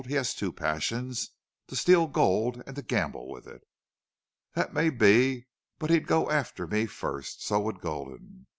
He has two passions. To steal gold, and to gamble with it." "That may be. But he'd go after me first. So would Gulden.